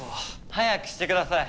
早くしてください。